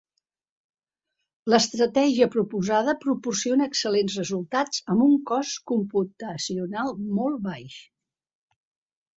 L'estratègia proposada proporciona excel·lents resultats amb un cost computacional molt baix.